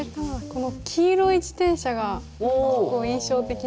この黄色い自転車が結構印象的なんで。